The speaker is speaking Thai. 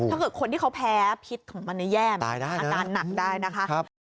ถ้าเกิดคนที่เขาแพ้พิษของมันแย่อาการหนักได้นะคะ